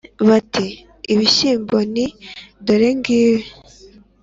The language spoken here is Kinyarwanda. bati : ibishyimbo, nti : dore ngibi.